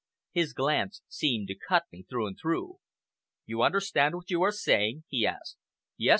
His glance seemed to cut me through and through. "You understand what you are saying?" he asked. "Yes!"